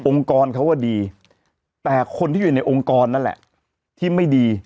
กรเขาว่าดีแต่คนที่อยู่ในองค์กรนั่นแหละที่ไม่ดี